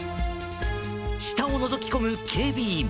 下をのぞき込む警備員。